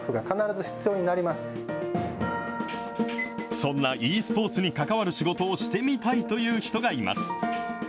そんなｅスポーツに関わる仕事をしてみたいという人がいます。